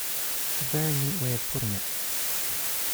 A very neat way of putting it.